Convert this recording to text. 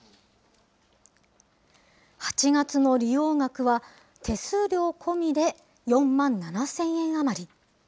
８月の利用額は、手数料込みで４万７０００円余り。